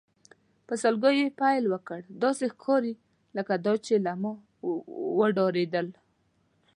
په سلګیو یې پیل وکړ، داسې ښکاري لکه دا چې له ما وډارېدل.